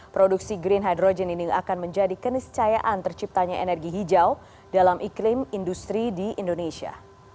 produksi green hydrogen ini akan menjadi keniscayaan terciptanya energi hijau dalam iklim industri di indonesia